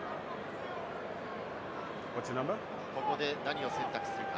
ここで何を選択するか。